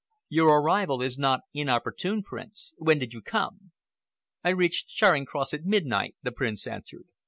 "Your arrival is not inopportune, Prince. When did you come?" "I reached Charing Cross at midnight," the Prince answered.